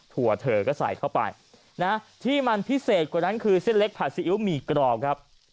ถั่วเธอก็ใส่เข้าไปนะที่มันพิเศษกว่านั้นคือเส้นเล็กผัดซีอิ๊วหมี่กรอบครับ